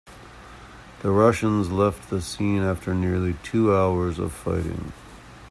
The Russians left the scene after nearly two hours of fighting.